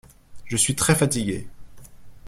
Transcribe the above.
Je suis très fatigué.